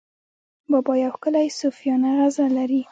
بابا یو ښکلی صوفیانه غزل لري.